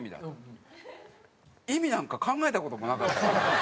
意味なんか考えた事もなかったから。